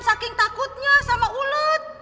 saking takutnya sama ulet